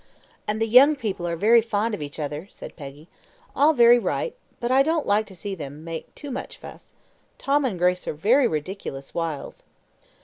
"And the young people are very fond of each other," said Peggy. "All very right, but I don't like to see them make too much fuss. Tom and Grace are very ridiculous whiles."